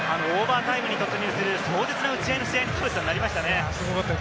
オーバータイムに突入する壮絶な打ち合いの試合になりましたね。